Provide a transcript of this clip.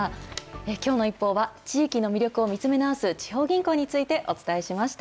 きょうのＩＰＰＯＵは、地域の魅力を見つめ直す地方銀行について、お伝えしました。